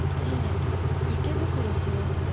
池袋中央署です。